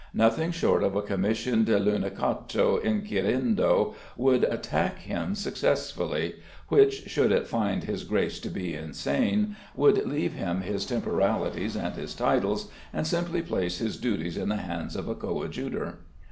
Nothing short of a commission de lunatico inquirendo could attack him successfully, which, should it find his grace to be insane, would leave him his temporalities and his titles, and simply place his duties in the hands of a coadjutor.